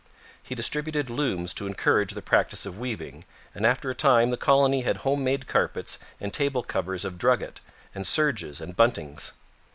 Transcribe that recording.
He distributed looms to encourage the practice of weaving, and after a time the colony had home made carpets and table covers of drugget, and serges and buntings.